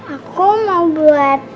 aku mau buat